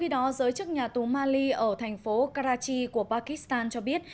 đó giới chức nhà tù mali ở thành phố karachi của pakistan cho biết